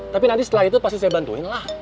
tapi nanti setelah itu pasti saya bantuin lah